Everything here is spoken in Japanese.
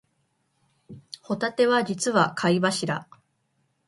ホタテは実は貝柱